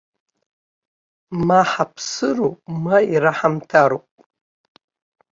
Ма ҳаԥсыроуп, ма ираҳамҭароуп!